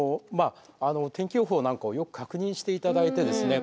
天気予報なんかをよく確認していただいてですね。